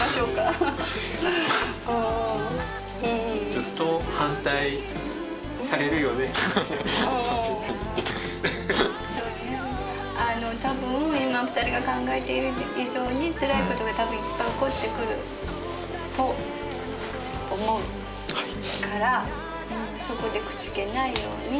ずっとあの多分今２人が考えている以上につらいことが多分いっぱい起こってくると思うからそこでくじけないように。